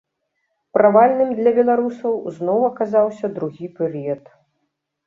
Правальным для беларусаў зноў аказаўся другі перыяд.